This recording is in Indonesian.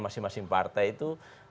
masing masing partai itu